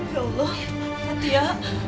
ya allah natia